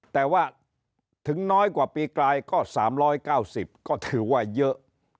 แต่ว่าถึงน้อยกว่าปีกลายก็๓๙๐ก็ถือว่าเยอะ